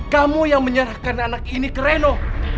kamu yang menyerahkan anak ini ke reno